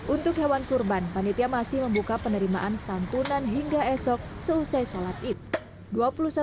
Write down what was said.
untuk hewan kurban panitia masih membuka penerimaan santunan hingga esok seusai sholat id